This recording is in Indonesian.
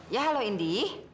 ya halo indi